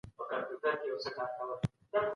هوا پاکوي او میکروب وژني.